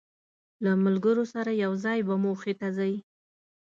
له ملګرو سره یو ځای به موخې ته ځی.